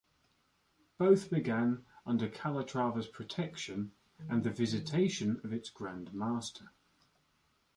Both began under Calatrava's protection and the visitation of its grand master.